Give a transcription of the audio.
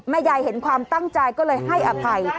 ยายเห็นความตั้งใจก็เลยให้อภัย